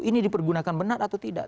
ini dipergunakan benar atau tidak